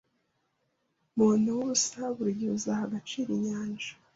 Muntu wubusa burigihe uzaha agaciro inyanja